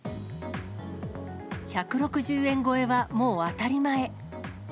１６０円超えはもう当たり前。